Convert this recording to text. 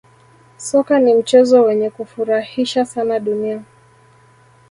Soka ni mchezo wenye kufurahisha sana dunia